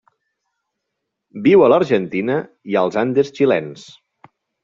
Viu a l'Argentina i els Andes xilens.